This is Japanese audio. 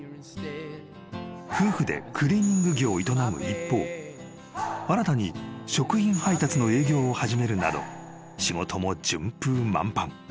［夫婦でクリーニング業を営む一方新たに食品配達の営業を始めるなど仕事も順風満帆］